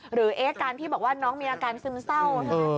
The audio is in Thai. หรือเอการณ์ที่บอกว่าน้องมีอาการซึมเศร้า